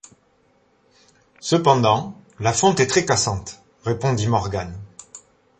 Cependant, la fonte est très-cassante, répondit Morgan.